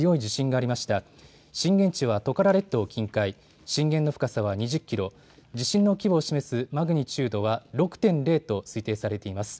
震源地はトカラ列島近海、震源の深さは２０キロ、地震の規模を示すマグニチュードは６．０と推定されています。